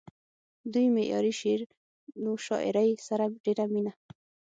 دوي معياري شعر و شاعرۍ سره ډېره مينه